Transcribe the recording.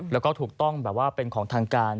แล้วก็ถูกต้องแบบว่าเป็นของทางการ